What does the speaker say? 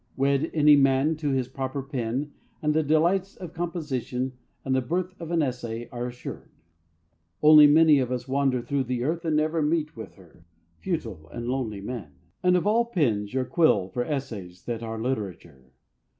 Wed any man to his proper pen, and the delights of composition and the birth of an essay are assured. Only many of us wander through the earth and never meet with her futile and lonely men. And, of all pens, your quill for essays that are literature.